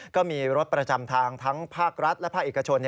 ก็มีรถประจำทางทั้งภาครัฐและภาคเอกชน